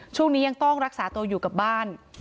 ช่วงนี้ยังต้องรักษาตัวอยู่กับบ้าน